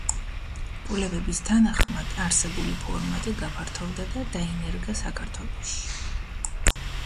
კვლევების შედეგად, არსებული ფორმატი გაფართოვდა და დაინერგა საქართველოში.